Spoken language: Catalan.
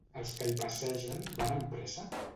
Els que hi passegen van amb pressa?